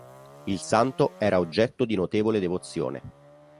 Il santo era oggetto di notevole devozione.